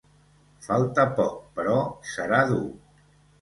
Falta poc però serà dur.